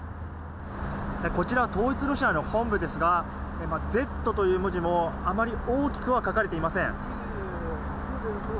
こちら統一ロシアの本部ですが「Ｚ」という文字もあまり大きくは描かれていません。